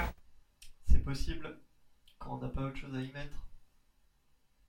C’est possible… quand on n’a pas autre chose à y mettre…